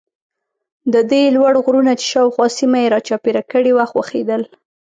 د ده یې لوړ غرونه چې شاوخوا سیمه یې را چاپېره کړې وه خوښېدل.